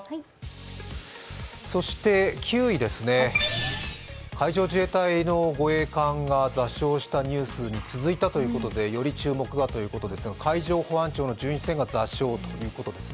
９位は海上自衛隊の護衛艦が座礁したニュースに続いてより注目がということですが、海上保安庁の巡視船が座礁ということです。